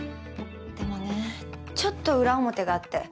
でもねちょっと裏表があって